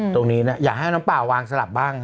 ตรงนี้อยากให้น้ำเปล่าวางสลับบ้าง